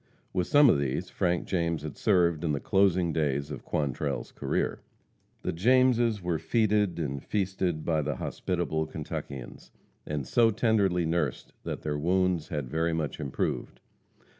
With some of these Frank James had served in the closing days of Quantrell's career. The Jameses were feted and feasted by the hospitable Kentuckians, and so tenderly nursed that their wounds had very much improved.